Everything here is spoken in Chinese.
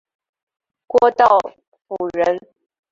郭道甫人。